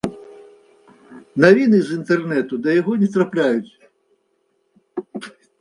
Навіны з інтэрнэту да яго не трапляюць.